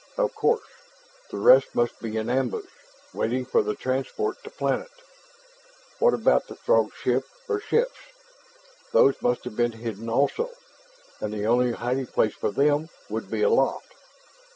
Of course! The rest must be in ambush, waiting for the transport to planet. What about the Throg ship or ships? Those must have been hidden also. And the only hiding place for them would be aloft.